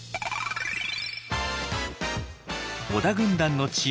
織田軍団の知恵